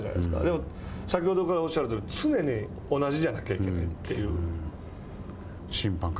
でも、先ほどからおっしゃるとおり常に同じじゃなきゃいけないという。